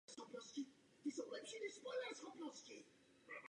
Navzdory nedostatkům návrhu by bylo nemyslitelné hlasovat proti.